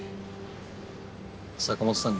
坂本さん